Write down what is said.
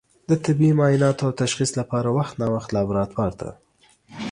د طبي معایناتو او تشخیص لپاره وخت نا وخت لابراتوار ته